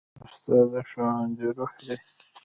استاد د ښوونځي روح دی.